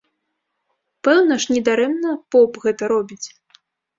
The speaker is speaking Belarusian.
Пэўна ж, не дарэмна поп гэта робіць!